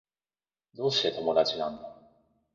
どうして友達なんだろう